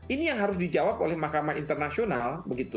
ini yang harus dijawab oleh mahkamah internasional